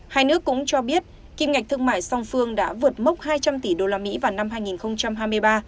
hai nước cũng cho biết kim ngạch thương mại song phương đã vượt mốc hai trăm linh tỷ usd vào năm hai nghìn hai mươi ba